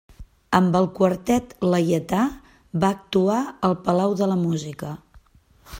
Amb el Quartet Laietà va actuar al Palau de la Música.